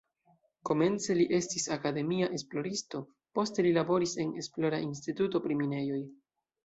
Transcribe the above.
Komence li estis akademia esploristo, poste li laboris en esplora instituto pri minejoj.